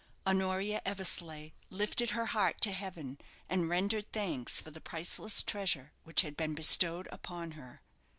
Honoria Eversleigh lifted her heart to heaven, and rendered thanks for the priceless treasure which had been bestowed upon her.